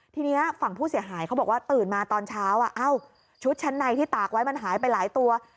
ทีนี้ฝั่งผู้เสียหายเขาบอกว่าตื่นมาตอนเช้าชุดชั้นในที่ตากไว้มันหายไปหลายตัว